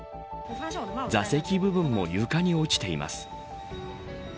座席部分も床に落ちています。